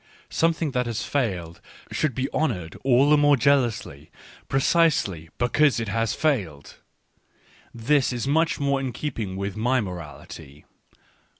Something that has failed should be honoured all the more jealously, precisely because it has failed — this is much more in keeping with my morality.